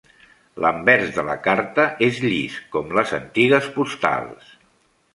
L"anvers de la carta és llis, com les antigues postals.